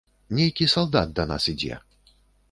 Нейкі салдат да нас ідзе.